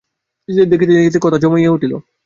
দেখিতে দেখিতে কথা জমিয়া উঠিল।